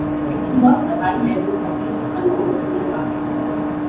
It involves a high level of teacher control in the class.